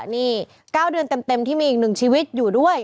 นี่๙เดือนเต็มที่มีอีก๑ชีวิตอยู่ด้วย